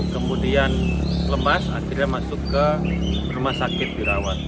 kemudian lemas akhirnya masuk ke rumah sakit dirawat